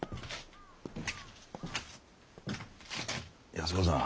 安子さん。